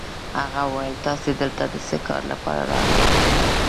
هغه وویل: تاسي دلته د څه کار لپاره راغلئ؟